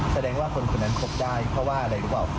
แสดงว่าคนคนนั้นคบได้เพราะว่าอะไรรู้เปล่า